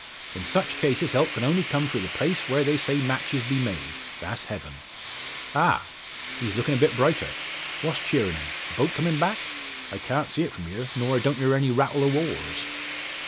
In such cases help can only come frae the place where they say matches be made that's Heaven. Ha! he's lookin' a bit brighter! What's cheerin' him? The boat coming back? I can't see it from here, nor I don't hear any rattle o' oars!"